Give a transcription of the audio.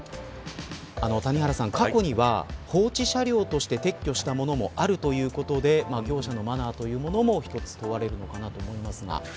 谷原さん、過去には放置車両として撤去したものもあるということで業者のマナーというものを一つ問われるのかなと思いますが。